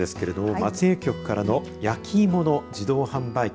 松江局からの焼き芋の自動販売機